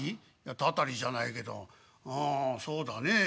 「たたりじゃないけどうんそうだねえ